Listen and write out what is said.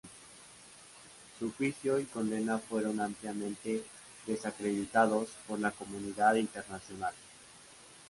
Su juicio y condena fueron ampliamente desacreditados por la comunidad internacional.